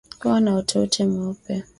Kuwa na uteute mweupe